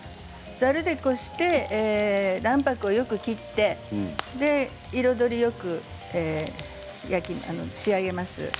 ざるでこして卵白をよく切って彩りよく仕上げます。